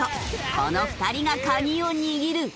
この２人が鍵を握る。